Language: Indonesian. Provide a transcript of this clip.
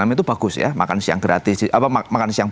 itu bagus ya makan siang bersama